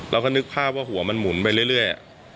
เราก็นึกภาพว่าหัวมันหมุนไปเรื่อย